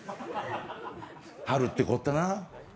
春ってこったな。